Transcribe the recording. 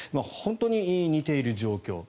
本当に似ている状況。